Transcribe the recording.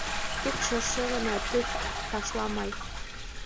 Тик Шыршы ғына төҫ ташламай.